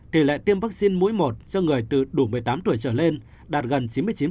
tỷ lệ tiêm vaccine mũi một cho người từ đủ một mươi tám tuổi trở lên đạt gần chín mươi chín